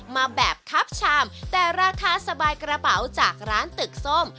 มาแบบคับชามแต่ราคาสบายกระเป๋าจากร้านตึกส้ม